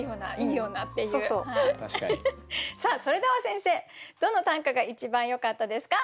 さあそれでは先生どの短歌が一番よかったですか？